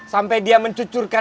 sampai dia mencucurkan